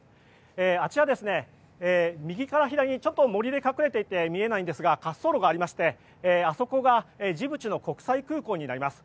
あちら、右から左にちょっと森で隠れていて見えないんですが滑走路がありましてあそこがジブチの国際空港になります。